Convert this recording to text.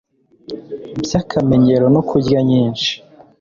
byakamenyero no kurya nyinshi …